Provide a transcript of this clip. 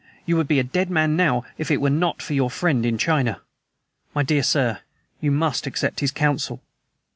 You would be a dead man now if it were not for your friend in China! My dear sir, you must accept his counsel."